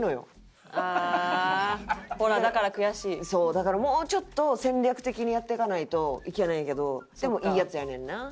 だからもうちょっと戦略的にやっていかないといけないけどでもいいヤツやねんな。